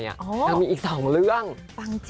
ยังมีอีก๒เรื่อง